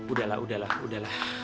udah lah udah lah udah lah